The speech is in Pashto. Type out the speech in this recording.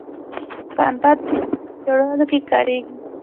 پنبه د جامو په جوړولو کې کاریږي